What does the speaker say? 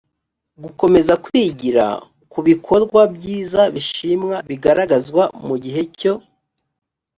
gukomeza kwigira ku bikorwa byiza bishimwa bigaragazwa mu gihe cyo